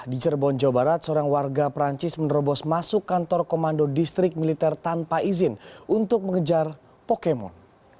di cirebon jawa barat seorang warga perancis menerobos masuk kantor komando distrik militer tanpa izin untuk mengejar pokemon